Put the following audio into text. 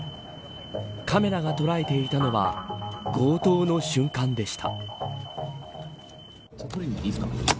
カメラが捉えていたのは強盗の瞬間でした。